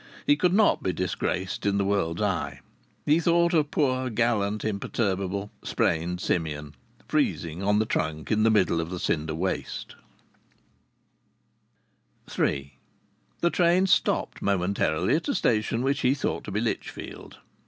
He could not be disgraced in the world's eye. He thought of poor, gallant, imperturbable, sprained Simeon freezing on the trunk in the middle of the cinder waste. III The train stopped momentarily at a station which he thought to be Lichfield.